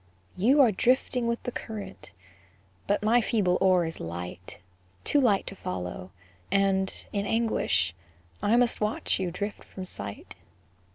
You are drifting with the current, But my feeble oar is light, Too light to follow; and, in anguish, I must watch you drift from sight.